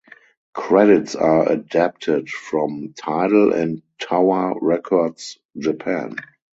Credits are adapted from Tidal and Tower Records Japan.